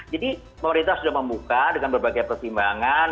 jadi pemerintah sudah membuka dengan berbagai pertimbangan